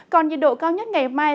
còn nhiệt độ cao nhất ngày mai